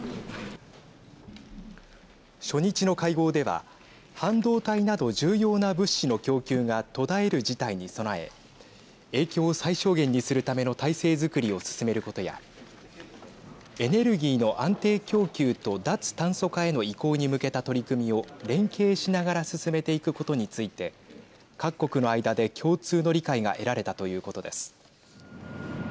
初日の会合では半導体など重要な物資の供給が途絶える事態に備え影響を最小限にするための体制づくりを進めることやエネルギーの安定供給と脱炭素化への移行に向けた取り組みを連携しながら進めていくことについて各国の間で共通の理解が得られたということです。